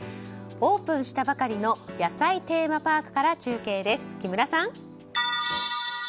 オープンしたばかりの野菜テーマパークから中継です。